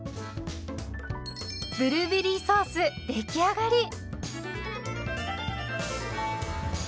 ブルーベリーソース出来上がり。